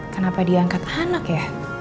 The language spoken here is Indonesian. kenapa dia angkat anak ya